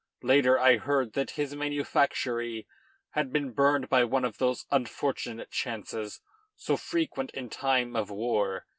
Later I heard that his manufactory had been burned by one of those unfortunate chances so frequent in times of war.